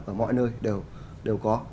ở mọi nơi đều có